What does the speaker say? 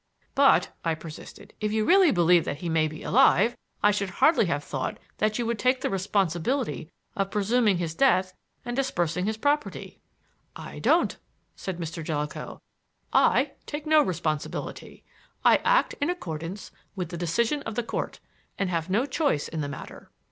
"But," I persisted, "if you really believe that he may be alive, I should hardly have thought that you would take the responsibility of presuming his death and dispersing his property." "I don't," said Mr. Jellicoe. "I take no responsibility. I act in accordance with the decision of the Court and have no choice in the matter."